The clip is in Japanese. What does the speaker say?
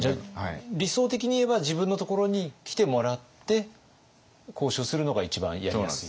理想的に言えば自分のところに来てもらって交渉するのが一番やりやすい？